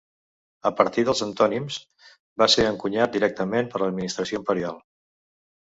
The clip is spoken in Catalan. A partir dels Antonins, va ser encunyat directament per l'administració imperial.